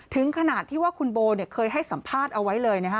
ถึงขนาดที่ว่าคุณโบเคยให้สัมภาษณ์เอาไว้เลยนะฮะ